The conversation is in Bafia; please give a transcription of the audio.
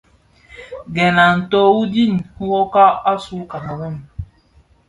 Gèn a nto u dhid nwokag, asuu mun Kameroun.